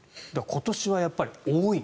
今年はやっぱり多い。